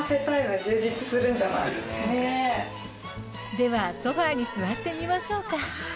ではソファに座ってみましょうか。